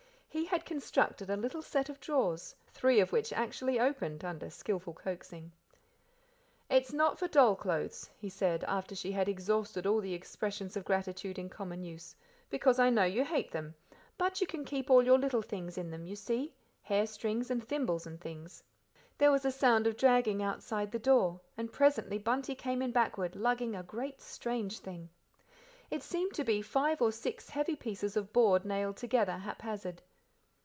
He had constructed a little set of drawers, three of which actually opened under skilful coaxing. "It's not for doll clothes," he said, after she had exhausted all the expressions of gratitude in common use, "because I know you hate them, but you can keep all your little things in them, you see hair strings, and thimbles, and things." There was a sound of dragging outside the door and presently Bunty came in backward, lugging a great, strange thing. It seemed to be five or six heavy pieces of board nailed together haphazard.